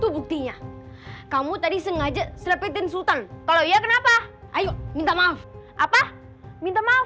buktinya kamu tadi sengaja selepetin sultan kalau iya kenapa ayo minta maaf apa minta maaf